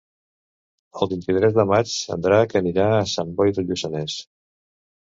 El vint-i-tres de maig en Drac anirà a Sant Boi de Lluçanès.